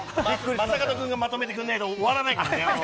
正門君がまとめてくれないと終わらないからね。